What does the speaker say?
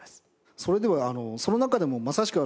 それでその中でもまさしく。